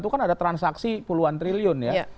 itu kan ada transaksi puluhan triliun ya